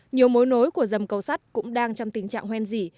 nhiều mối nối của dầm cầu sắt cũng đang trong tình trạng hoen dỉ